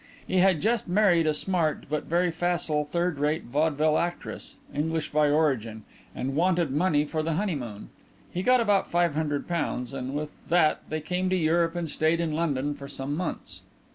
He had just married a smart but very facile third rate vaudeville actress English by origin and wanted money for the honeymoon. He got about five hundred pounds, and with that they came to Europe and stayed in London for some months.